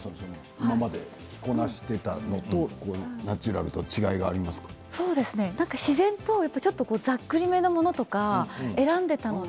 今まで着こなしていたものと自然とざっくりめのものとか選んでいたので